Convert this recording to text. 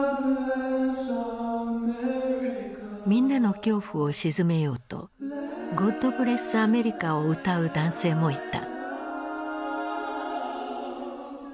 みんなの恐怖を鎮めようと「ゴッド・ブレス・アメリカ」を歌う男性もいた。